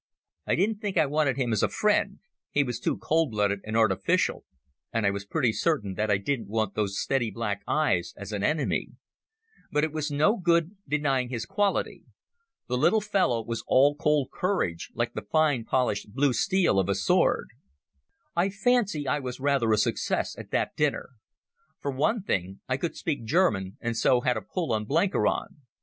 I didn't think I wanted him as a friend—he was too cold blooded and artificial; and I was pretty certain that I didn't want those steady black eyes as an enemy. But it was no good denying his quality. The little fellow was all cold courage, like the fine polished blue steel of a sword. I fancy I was rather a success at that dinner. For one thing I could speak German, and so had a pull on Blenkiron.